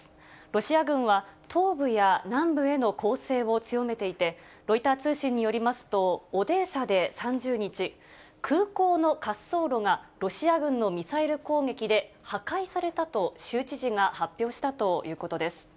ロシア軍は東部や南部への攻勢を強めていて、ロイター通信によりますと、オデーサで３０日、空港の滑走路がロシア軍のミサイル攻撃で破壊されたと州知事が発表したということです。